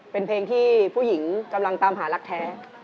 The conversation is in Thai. เป็นเพลงที่ผู้หญิงกำลังตามหารักแท้